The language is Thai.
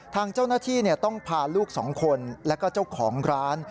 ทางเจ้าหน้าที่ต้องพาลูกสองคนแล้วก็เจ้าของร้าน